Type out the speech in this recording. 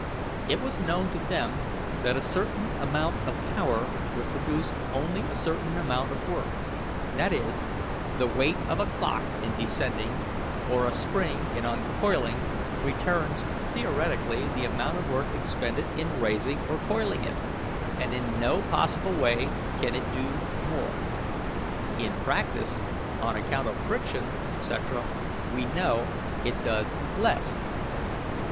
It was known to them that a certain amount of power would produce only a certain amount of work that is, the weight of a clock in descending or a spring in uncoiling returns theoretically the amount of work expended in raising or coiling it, and in no possible way can it do more. In practice, on account of friction, etc., we know it does less.